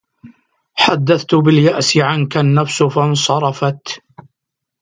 حدثت باليأس عنك النفس فانصرفت